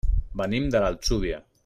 Venim de l'Atzúvia.